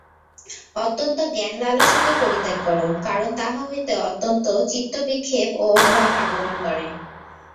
অত্যন্ত জ্ঞান-লালসাকে পরিত্যাগ কর, কারণ তাহা হইতে অত্যন্ত চিত্তবিক্ষেপ ও ভ্রম আগমন করে।